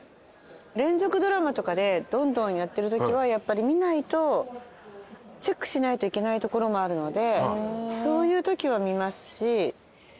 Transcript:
連続ドラマとかでどんどんやってるときはやっぱり見ないとチェックしないといけないところもあるのでそういうときは見ますし。